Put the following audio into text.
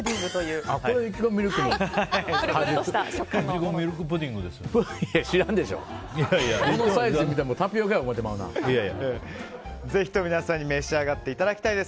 このサイズを見てもぜひとも皆さんに召し上がっていただきたいです。